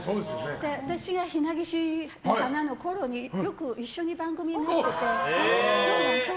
私が「ひなげしの花」のころによく一緒に番組持ってて。